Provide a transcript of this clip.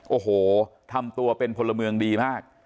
โอ้โหทำตัวเป็นพลเมืองดีมาก